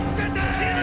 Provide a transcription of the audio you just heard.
死ぬ！